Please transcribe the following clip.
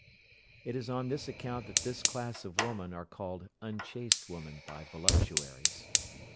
It is on this account that this class of woman are called unchaste women by voluptuaries.